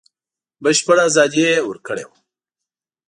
بشپړه ازادي یې ورکړې وه.